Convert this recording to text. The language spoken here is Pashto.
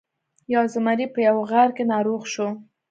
یو زمری په یوه غار کې ناروغ شو.